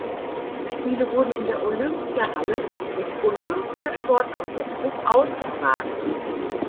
Die Spiele wurden in der Olympiahalle des Olympia-Sportkomplexes ausgetragen.